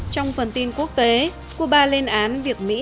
trong phần tin quốc tế cuba lên án việc mỹ